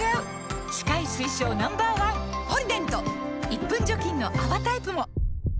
１分除菌の泡タイプも！